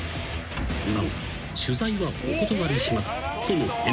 ［何と取材はお断りしますとの返答が］